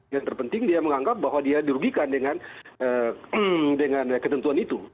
yang terpenting dia menganggap bahwa dia dirugikan dengan ketentuan itu